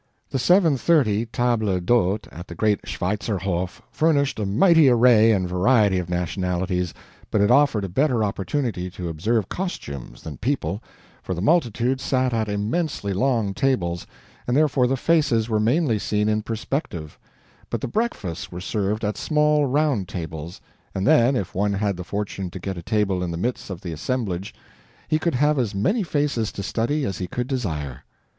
The seven thirty table d'hôte at the great Schweitzerhof furnished a mighty array and variety of nationalities, but it offered a better opportunity to observe costumes than people, for the multitude sat at immensely long tables, and therefore the faces were mainly seen in perspective; but the breakfasts were served at small round tables, and then if one had the fortune to get a table in the midst of the assemblage he could have as many faces to study as he could desire.